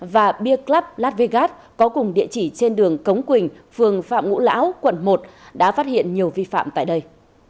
và beer club las vegas có cùng địa chỉ trên đường cống quỳnh phường phạm ngũ lão quận một đã phát hiện nhiều vi phạm tại đây